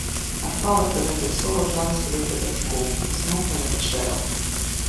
Адпала пры гэтых словах жаласлівасць да бацькоў і зноў палягчэла.